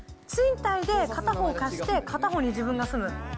賃貸で片方貸して、片方に自分が住む。